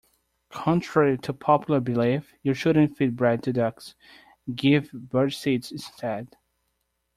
Contrary to popular belief, you shouldn't feed bread to ducks. Give birdseeds instead.